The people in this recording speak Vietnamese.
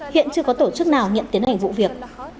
hiện chưa có tổ chức nào nhận tiến hành vụ việc